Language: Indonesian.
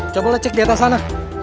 coba lecek di atas sana